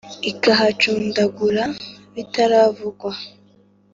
Ikahacundagura bitaravugwa,